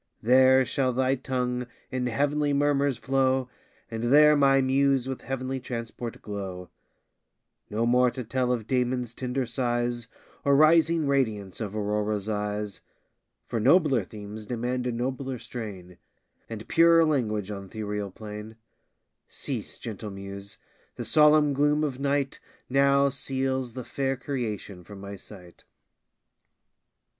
There shall thy tongue in heav'nly murmurs flow, And there my muse with heav'nly transport glow: No more to tell of Damon's tender sighs, Or rising radiance of Aurora's eyes, For nobler themes demand a nobler strain, And purer language on th' ethereal plain. Cease, gentle muse! the solemn gloom of night Now seals the fair creation from my sight.